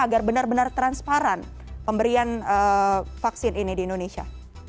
agar benar benar transparan pemberian vaksin ini di indonesia